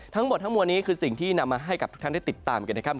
ทั้งหมดทั้งมวลนี้คือสิ่งที่นำมาให้กับทุกท่านได้ติดตามกันนะครับ